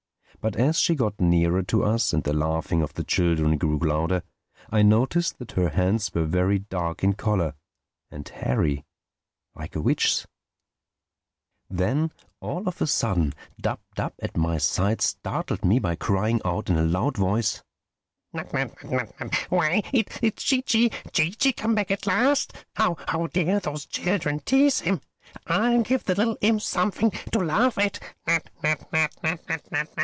But as she got nearer to us and the laughing of the children grew louder, I noticed that her hands were very dark in color, and hairy, like a witch's. Then all of a sudden Dab Dab at my side startled me by crying out in a loud voice, "Why, it's Chee Chee!—Chee Chee come back at last! How dare those children tease him! I'll give the little imps something to laugh at!"